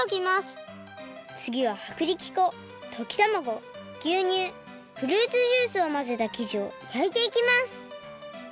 つぎははくりき粉ときたまごぎゅうにゅうフルーツジュースをまぜたきじをやいていきます。